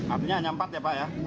artinya hanya empat ya pak ya